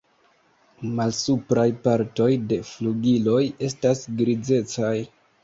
Malsupraj partoj de flugiloj estas grizecaj.